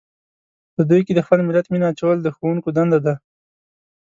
په دوی کې د خپل ملت مینه اچول د ښوونکو دنده ده.